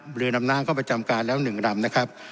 เรือดำน้ำเข้าประจำการแล้ว๑ลำนะครับ